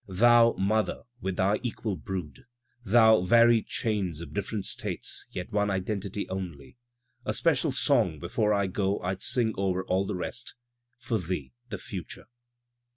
Thou Mother with thy equal brood. Thou varied cham of different States, yet one identity only, A special song before I go Fd sing o'er all the rest, For thee, the future.